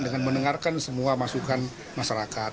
dengan mendengarkan semua masukan masyarakat